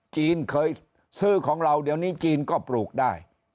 จีนเคยซื้อของเราเดี๋ยวนี้จีนก็ปลูกได้